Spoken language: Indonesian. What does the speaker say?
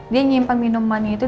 dia nyimpan minumannya itu